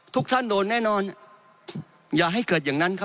ทุกท่านโดนแน่นอนอย่าให้เกิดอย่างนั้นครับ